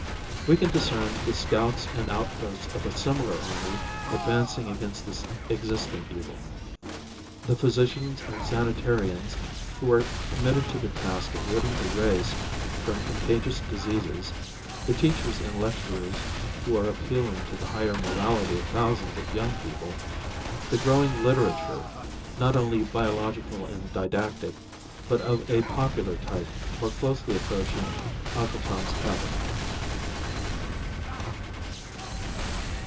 We can discern the scouts and outposts of a similar army advancing against this existing evil: the physicians and sanitarians who are committed to the task of ridding the race from contagious diseases, the teachers and lecturers who are appealing to the higher morality of thousands of young people; the growing literature, not only biological and didactic, but of a popular type more closely approaching "Uncle Tom's Cabin."